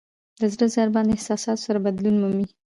د زړه ضربان د احساساتو سره بدلون مومي.